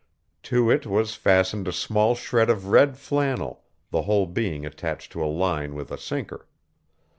To it was fastened a small shred of red flannel, the whole being attached to a line with a sinker.